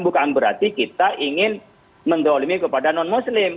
bukan berarti kita ingin mendolimi kepada non muslim